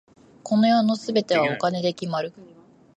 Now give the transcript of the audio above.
この世の全てはお金で決まる。